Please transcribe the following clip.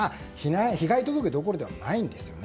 被害届どころではないんですよね。